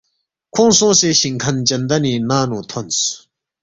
کھونگ سونگسے شِنگ کھن چندنی ننگ نُو تھونس